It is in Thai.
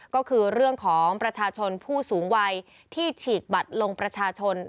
ก็คือเรื่องของประชาชนผู้สูงวัยที่ฉีกบัตรลงประชาชน